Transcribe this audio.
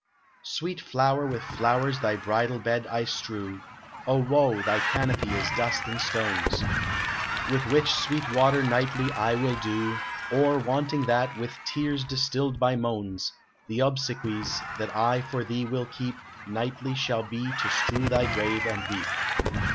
"Sweet flower, with flowers thy bridal bed I strew, O woe! thy canopy is dust and stones; Which with sweet water nightly I will dew, Or, wanting that, with tears distilled by moans; The obsequies that I for thee will keep Nightly shall be to strew thy grave and weep."